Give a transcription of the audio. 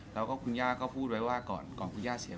แล้วก็คุณย่าก็พูดไว้ว่าก่อนคุณย่าเสีย